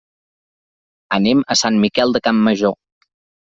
Anem a Sant Miquel de Campmajor.